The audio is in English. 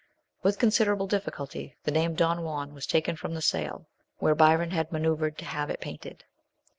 With considerable diffi culty the name Don Juan was taken from the sail,, where Byron had manoeuvred to have it painted.